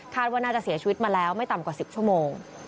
ว่าน่าจะเสียชีวิตมาแล้วไม่ต่ำกว่า๑๐ชั่วโมง